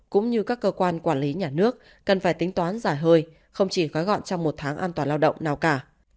cũng như các cơ quan quản lý nhà nước cần phải tính toán dài hơi không chỉ gói gọn trong một tháng an toàn lao động nào cả